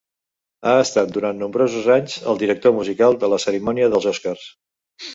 Ha estat durant nombrosos anys, el director musical de la cerimònia dels Oscars.